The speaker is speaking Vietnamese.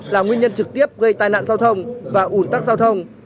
là nguyên nhân trực tiếp gây tai nạn giao thông và ủn tắc giao thông